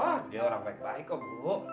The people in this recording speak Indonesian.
oh dia orang baik baik ya bu